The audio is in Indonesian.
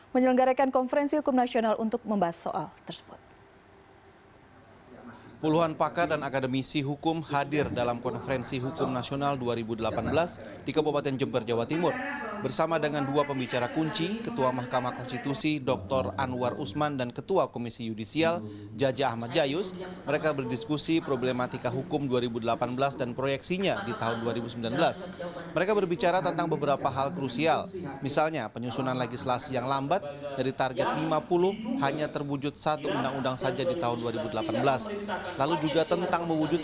menyelenggarakan konferensi hukum nasional untuk membahas soal tersebut